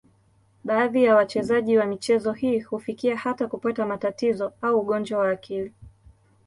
Baadhi ya wachezaji wa michezo hii hufikia hata kupata matatizo au ugonjwa wa akili.